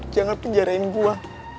jangan penjarain gue